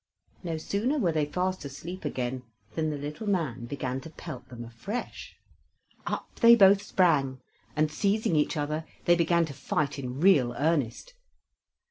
No sooner were they fast asleep again, than the little man began to pelt them afresh. Up they both sprang, and seizing each other, they began to fight in real earnest.